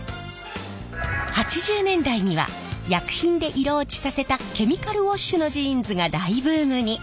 ８０年代には薬品で色落ちさせたケミカルウォッシュのジーンズが大ブームに。